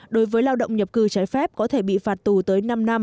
đối với lao động nhập cư trái phép có thể bị phạt tù tới năm năm